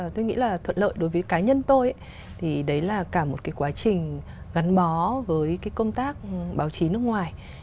tôi nghĩ là thuận lợi đối với cá nhân tôi thì đấy là cả một cái quá trình gắn bó với cái công tác báo chí nước ngoài